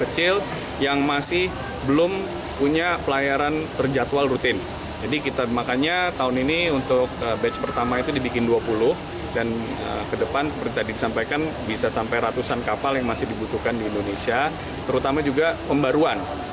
sampai ratusan kapal yang masih dibutuhkan di indonesia terutama juga pembaruan